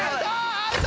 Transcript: アウト！